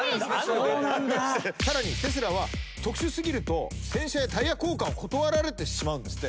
さらにテスラは特殊過ぎると洗車やタイヤ交換を断られてしまうんですって。